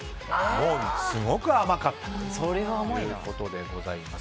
すごく甘かったということです。